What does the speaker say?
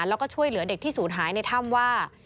แล้วก็ช่วยเหลือเด็กที่ศูนย์หายในถ้ำว่า